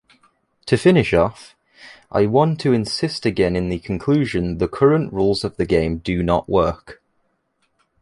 To finish off, I want to insist again in the conclusion: the current rules of the game do not work.